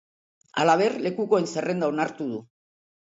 Halaber, lekukoen zerrenda onartu du.